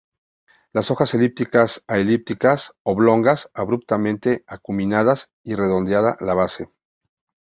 Las hojas elípticas a elípticas oblongas, abruptamente acuminadas y redondeada la base.